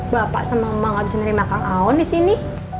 bapak sama emang abis menerima kang aon disini